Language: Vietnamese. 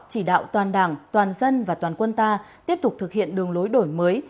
chỉ đạo toàn đảng toàn dân và toàn quân ta tiếp tục thực hiện đường lối đổi mới